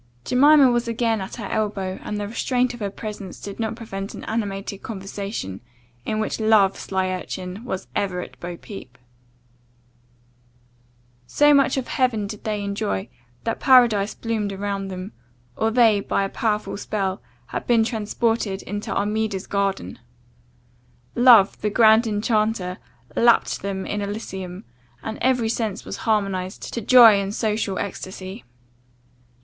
Jemima was again at her elbow, and the restraint of her presence did not prevent an animated conversation, in which love, sly urchin, was ever at bo peep. So much of heaven did they enjoy, that paradise bloomed around them; or they, by a powerful spell, had been transported into Armida's garden. Love, the grand enchanter, "lapt them in Elysium," and every sense was harmonized to joy and social extacy.